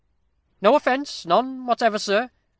"No offence; none whatever, sir.